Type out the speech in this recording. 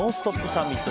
サミット。